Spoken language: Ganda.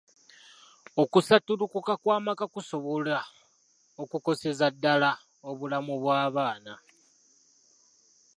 Okusattulukuka kw'amaka kusobola okukoseza ddala obulamu bw'abaana.